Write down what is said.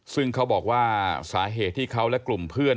ซึ่งเขาบอกว่าสาเหตุที่เขาและกลุ่มเพื่อน